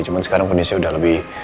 cuma sekarang kondisinya udah lebih